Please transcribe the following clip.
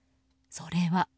それは。